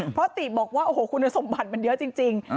เพราะติบอกว่าโอ้โหคุณสมบัติมันเยอะจริง